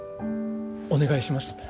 お願いします。